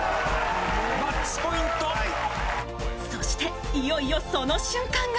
そして、いよいよその瞬間が